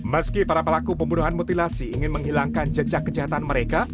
meski para pelaku pembunuhan mutilasi ingin menghilangkan jejak kejahatan mereka